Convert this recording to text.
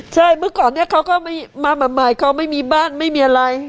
ใช่เมื่อก่อนนี้เขาก็มาใหม่เขาไม่มีบ้านไม่มีอะไร